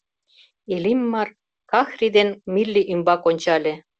Иллимар Кӓхри ден Милли ӱмбак ончале.